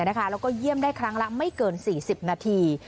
แล้วก็เยี่ยมได้ครั้งละไม่เกิน๔๐นาที